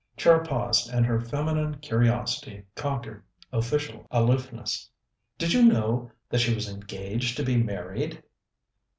Char paused, and her feminine curiosity conquered official aloofness. "Did you know that she was engaged to be married?"